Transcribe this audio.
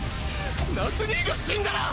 夏兄が死んだら。